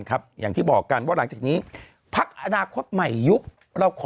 อย่างที่บอกกันว่าหลังจากนี้พักอนาคตใหม่ยุบเราขอ